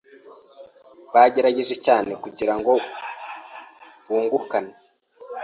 Bagerageje cyane kugirango bungukane.